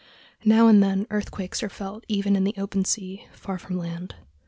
Now and then earthquakes are felt even in the open sea, far from land.